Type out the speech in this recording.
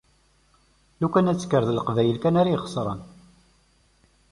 lukan ad tekker d leqbayel kan ara ixesren.